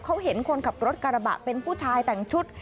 เขาเห็นคนขับรถกระบะเป็นผู้ชายแต่งชุด